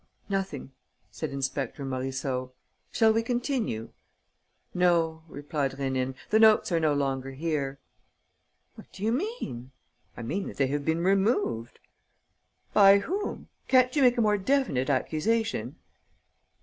"Nothing," said Inspector Morisseau. "Shall we continue?" "No," replied Rénine, "The notes are no longer here." "What do you mean?" "I mean that they have been removed." "By whom? Can't you make a more definite accusation?"